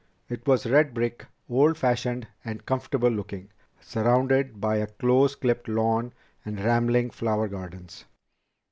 It was red brick, old fashioned and comfortable looking, surrounded by a close clipped lawn and rambling flower gardens.